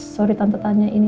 sorry tante tanya ini